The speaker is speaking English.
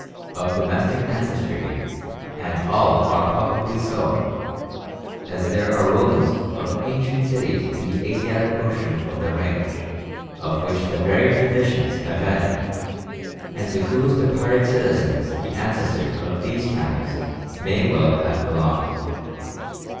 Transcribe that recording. e., of domestic ancestry, and all are probably so, as there are ruins of ancient cities in the Asiatic portion of their range of which the very tradi tions have vanished and to whose departed citizens the ancestors of these camels may well have belonged.